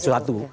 oke itu satu